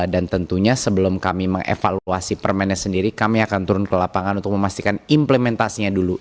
dan tentunya sebelum kami mengevaluasi permainan sendiri kami akan turun ke lapangan untuk memastikan implementasinya dulu